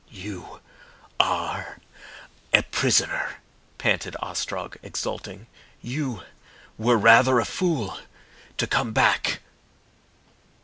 "You are a prisoner," panted Ostrog, exulting. "You were rather a fool to come back."